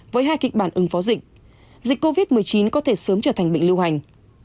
với hai kịch bản ứng phó dịch dịch covid một mươi chín có thể sớm trở thành bệnh lưu hành